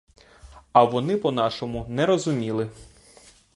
А вони по-нашому не розуміли.